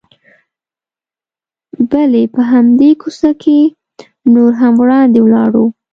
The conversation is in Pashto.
بلې، په همدې کوڅه کې نور هم وړاندې ولاړو.